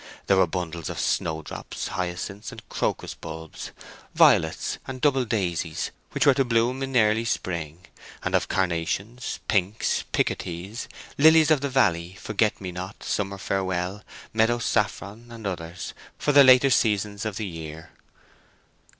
There were bundles of snow drop, hyacinth and crocus bulbs, violets and double daisies, which were to bloom in early spring, and of carnations, pinks, picotees, lilies of the valley, forget me not, summer's farewell, meadow saffron and others, for the later seasons of the year.